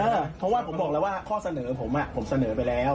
เพราะว่าผมบอกแล้วว่าข้อเสนอผมผมเสนอไปแล้ว